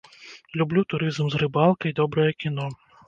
Люблю турызм з рыбалкай, добрае кіно.